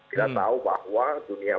kita tahu bahwa dunia